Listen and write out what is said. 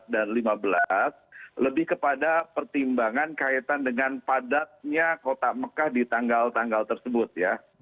dan lima belas lebih kepada pertimbangan kaitan dengan padatnya kota mekah di tanggal tanggal tersebut ya